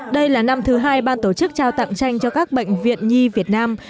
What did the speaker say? đây là năm thứ hai ban tổ chức trao tặng tranh cho các bệnh viện nhi việt nam